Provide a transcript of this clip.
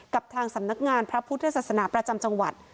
กับทางสำนักงานพระพุทธศาสนาประจำจังหวัด